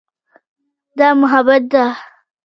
دا محبت ده.